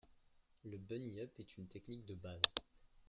Le bunny up est une technique de base.